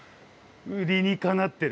理にかなってる。